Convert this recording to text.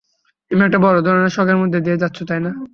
তুমি একটা বড় ধরণের শক এর মধ্য দিয়ে যাচ্ছ, তাই না?